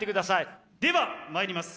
ではまいります。